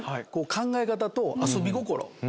考え方と遊び心。